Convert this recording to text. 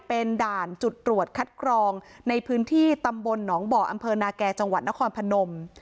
เป็นด่านจุดตรวจคัดกรองในพื้นที่ตำบลหนองบ่ออำเภอนาแก่จังหวัดนครพนม